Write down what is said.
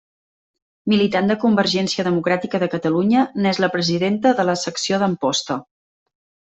Militant de Convergència Democràtica de Catalunya, n'és la presidenta de la secció d'Amposta.